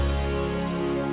gue pengen pack ya